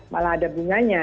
malah ada bunganya